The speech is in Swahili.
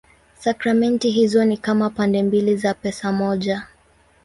Sakramenti hizo ni kama pande mbili za pesa moja.